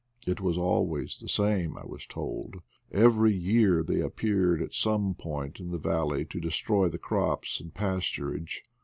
It was always the same, I was told; every year they ap peared at some point in the valley to destroy the crops and pasturage.